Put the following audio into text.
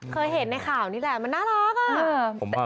เคยเห็นในข่าวนี่แหละมันน่ารักอ่ะ